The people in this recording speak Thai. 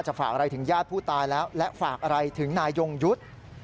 ฝากอะไรถึงญาติผู้ตายแล้วและฝากอะไรถึงนายยงยุทธ์